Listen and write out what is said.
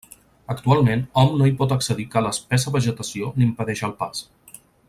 Actualment hom no hi pot accedir car l'espessa vegetació n'impedeix el pas.